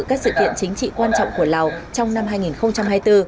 các sự kiện chính trị quan trọng của lào trong năm hai nghìn hai mươi bốn